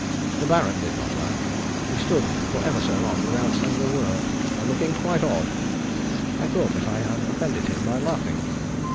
The Baron did not laugh. He stood for ever so long without saying a word, and looking quite odd. I thought that I had offended him by laughing.